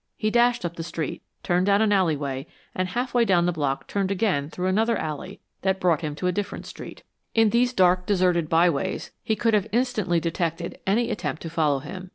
He dashed up the street, turned down an alleyway, and half way down the block turned again through another alley that brought him to a different street. In these dark, deserted byways he could have instantly detected any attempt to follow him.